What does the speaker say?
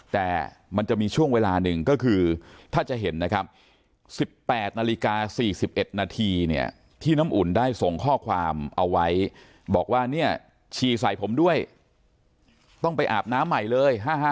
แต่มันจะมีช่วงเวลาหนึ่งก็คือถ้าจะเห็นนะครับ๑๘นาฬิกา๔๑นาทีเนี่ยที่น้ำอุ่นได้ส่งข้อความเอาไว้บอกว่าเนี่ยชีใส่ผมด้วยต้องไปอาบน้ำใหม่เลย